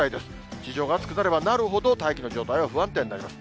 地上が暑くなればなるほど、大気の状態は不安定になります。